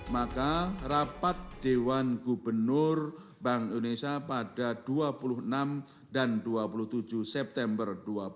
maka rapat dewan gubernur bank indonesia pada dua puluh enam dan dua puluh tujuh september dua ribu dua puluh